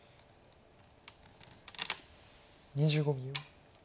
２５秒。